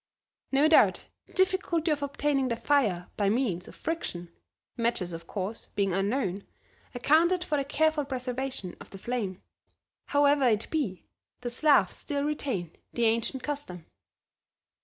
No doubt the difficulty of obtaining the fire by means of friction (matches of course, being unknown) accounted for the careful preservation of the flame. However it be, the Slavs still retain the ancient custom.